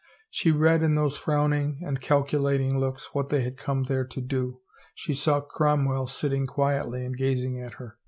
She read in those frowning and calculating looks what they had come there to do. She saw Crom well sitting quietly and gazing at her.